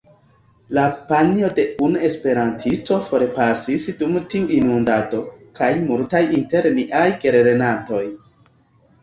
La panjo de unu esperantisto forpasis dum tiu inundado, kaj multaj inter niaj gelernantoj.